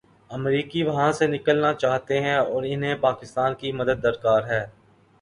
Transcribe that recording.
امریکی وہاں سے نکلنا چاہتے ہیں اور انہیں پاکستان کی مدد درکار ہے۔